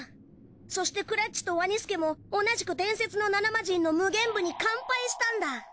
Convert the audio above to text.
そしてクラっちとワニスケも同じく伝説の７マジンのムゲンブに完敗したんだ